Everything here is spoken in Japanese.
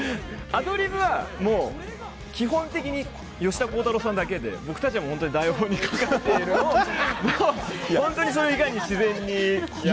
アドリブはもう基本的に吉田鋼太郎さんだけで、僕たちは本当に台本に書かれているのを、本当にそれ以外に自然にやる形。